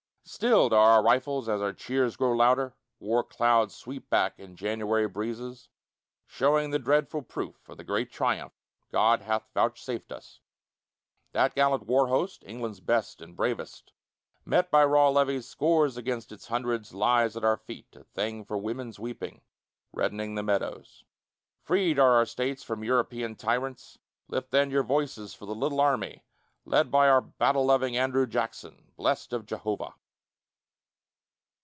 Stilled are our rifles as our cheers grow louder: War clouds sweep back in January breezes, Showing the dreadful proof of the great triumph God hath vouchsafed us. That gallant war host, England's best and bravest, Met by raw levies, scores against its hundreds, Lies at our feet, a thing for woman's weeping, Reddening the meadows. Freed are our States from European tyrants: Lift then your voices for the little army Led by our battle loving Andrew Jackson, Blest of Jehovah.